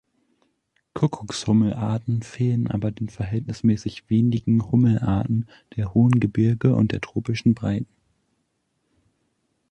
Kuckuckshummel-Arten fehlen aber den verhältnismäßig wenigen Hummelarten der hohen Gebirge und der tropischen Breiten.